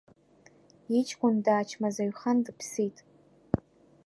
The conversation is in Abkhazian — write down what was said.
Иҷкәын даачмазаҩхан дыԥсит.